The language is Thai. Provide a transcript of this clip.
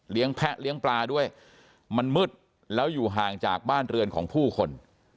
แพะเลี้ยงปลาด้วยมันมืดแล้วอยู่ห่างจากบ้านเรือนของผู้คน